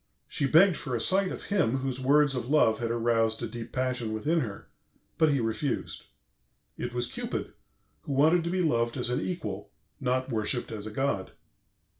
She begged for a sight of him whose words of love had aroused a deep passion within her, but he refused. It was Cupid, who wanted to be loved as an equal, not worshipped as a god.